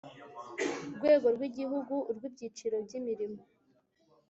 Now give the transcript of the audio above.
Rwego rw igihugu urw ibyiciro by imirimo